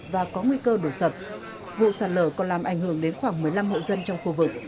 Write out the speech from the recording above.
vụ sạt lở còn làm ảnh hưởng đến khoảng một mươi năm hộ dân trong khu vực